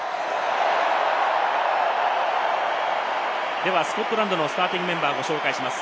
ではスコットランドのスターティングメンバーをご紹介します。